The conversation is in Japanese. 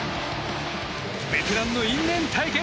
ベテランの因縁対決。